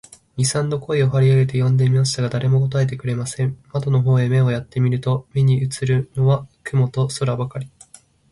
二三度声を張り上げて呼んでみましたが、誰も答えてくれません。窓の方へ目をやって見ると、目にうつるものは雲と空ばかり、